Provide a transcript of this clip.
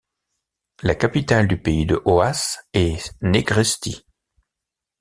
La capitale du Pays de Oaș est Negreşti.